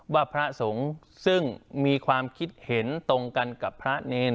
พระสงฆ์ซึ่งมีความคิดเห็นตรงกันกับพระเนร